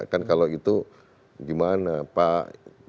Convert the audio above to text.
kan kalau gitu gimana pak